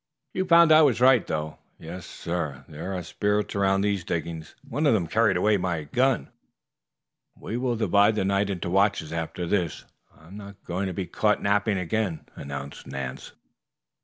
"You found I was right, though. Yes, sir, there are spirits around these diggings. One of them carried away my gun." "We will divide the night into watches after this. I am not going to be caught napping again," announced Nance.